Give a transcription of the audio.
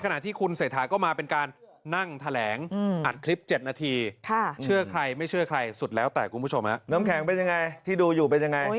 น้ำแข็งเป็นยังไงที่ดูอยู่เป็นยังไง